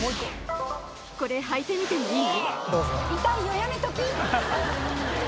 これ、履いてみてもいい？